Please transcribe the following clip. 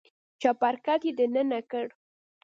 چپرکټ يې دننه کړ.